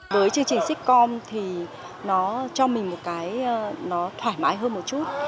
với chương trình sitcom thì nó cho mình một cái nó thoải mái hơn một chút